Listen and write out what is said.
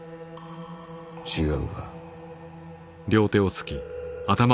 違うか？